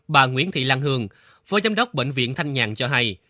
bà nguyễn thị lan hương phó giám đốc bệnh viện thanh nhàn cho hay